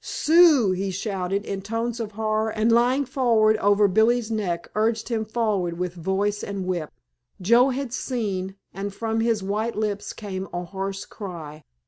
"Sioux!" he shouted, in tones of horror, and lying forward over Billy's neck urged him forward with voice and whip. Joe had seen, and from his white lips came a hoarse cry.